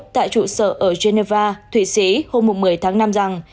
tại trụ sở ở geneva thụy sĩ hôm một mươi tháng năm rằng